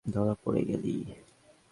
ধরা পড়ে গেলি?